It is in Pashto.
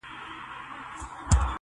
• له زمري پاچا یې وکړله غوښتنه ,